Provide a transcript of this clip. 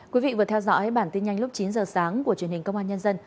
quý vị vừa theo dõi bản tin nhanh lúc chín giờ sáng của truyền hình công an nhân dân